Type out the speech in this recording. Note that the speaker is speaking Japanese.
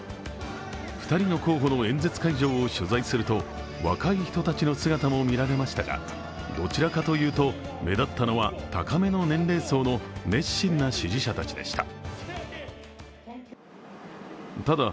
２人の候補の演説会場を取材すると若い人たちの姿も見られましたが、どちらかというと目立ったのは高めの年齢層の熱心な支持者たちでした。